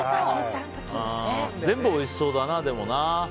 全部おいしそうだな、でもな。